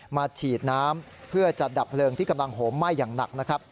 ฉีดน้ำเพื่อจะดับเพลิงที่กำลังโหมไหม้อย่างหนักนะครับ